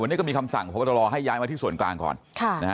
วันนี้ก็มีคำสั่งพบตรให้ย้ายมาที่ส่วนกลางก่อนค่ะนะฮะ